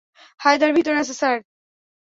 হায়দার ভিতরে আছে, স্যার।